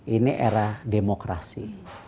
ini era demokrasi